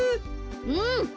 うん。